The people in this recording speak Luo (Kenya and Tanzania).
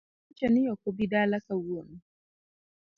Nowacho ni ok obi dala kawuono